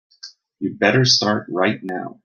You'd better start right now.